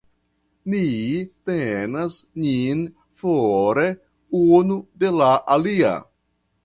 Ni tenas nin fore unu de la alia.